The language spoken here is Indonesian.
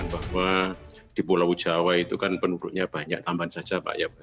bahwa di pulau jawa itu kan penuduknya banyak tambahan saja